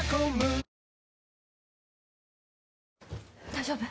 大丈夫？